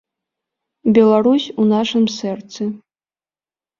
Беларусь у нашым сэрцы.